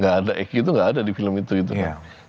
gak ada eki itu nggak ada di film itu kan